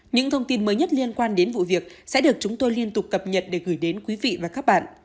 những thông tin mới nhất liên quan đến vụ việc sẽ được chúng tôi liên tục cập nhật để gửi đến quý vị và các bạn